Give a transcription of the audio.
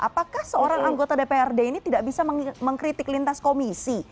apakah seorang anggota dprd ini tidak bisa mengkritik lintas komisi